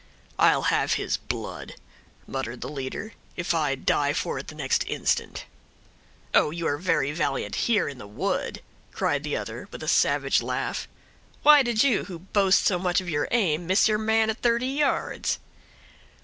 "I'll have his blood," muttered the leader, "if I die for it the next instant." "Oh, you are very valiant here, in the wood," cried the other, with a savage laugh. "Why did you, who boast so much of your aim, miss your man, at thirty yards?"